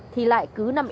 thì lại cứ nằm